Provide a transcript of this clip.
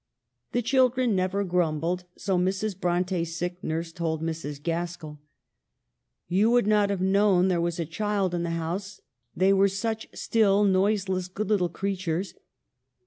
The children never grumbled ; so Mrs. Bronte's sick nurse told Mrs. Gaskell :" You would not have known there was a child in the house, they were such still, noise less, good little creatures.